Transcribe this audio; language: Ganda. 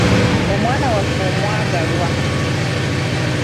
Omwana waffe omwagalwa!